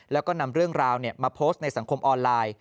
แล้วก็นำเรื่องราวมาโพสต์ในสังคมออนไลน์